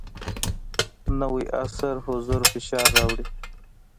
نوی عصر حضور فشار راوړی.